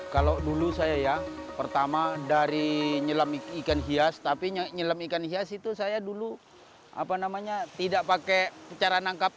kalau dulu saya ya pertama dari nyelam ikan hias tapi nyelam ikan hias itu saya dulu tidak pakai cara nangkap